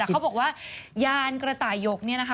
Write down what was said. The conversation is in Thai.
เขาบอกว่ายานกระต่ายหยกเนี่ยนะคะ